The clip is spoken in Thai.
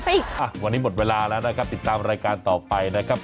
วันนี้หมดเวลาแล้วนะครับติดตามรายการต่อไปนะครับ